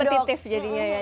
kompetitif jadinya ya